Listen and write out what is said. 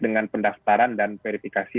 dengan pendaftaran dan verifikasi